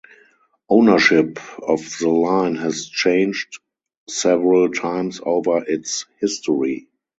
Ownership of the line has changed several times over its history.